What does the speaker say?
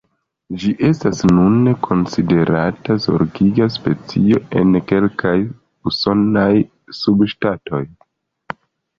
Ĝi estas nune konsiderata zorgiga specio en kelkaj usonaj subŝtatoj.